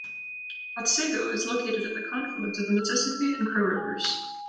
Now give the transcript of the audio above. Otsego is located at the confluence of the Mississippi and Crow Rivers.